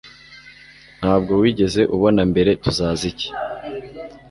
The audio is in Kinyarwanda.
Ntabwo wigeze ubona mbere Tuzaza iki